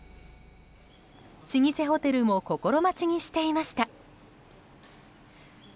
老舗ホテルも心待ちにしていました。